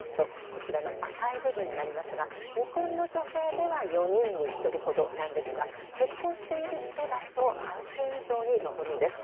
こちらの赤い部分になりますが日本の女性では４人に１人ほどですが結婚している人だと半数以上に上るんです。